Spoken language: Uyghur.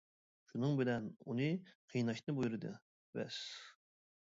شۇنىڭ بىلەن ئۇنى قىيناشنى بۇيرۇدى، بەس.